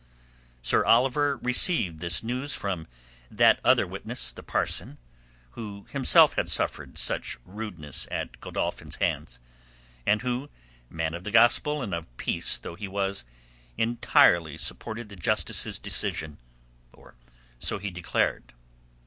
Sir Oliver received this news from that other witness, the parson, who himself had suffered such rudeness at Godolphin's hands, and who, man of the Gospel and of peace though he was, entirely supported the Justice's decision—or so he declared.